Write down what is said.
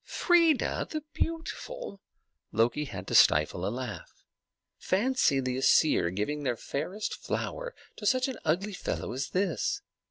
"Freia the beautiful!" Loki had to stifle a laugh. Fancy the Æsir giving their fairest flower to such an ugly fellow as this!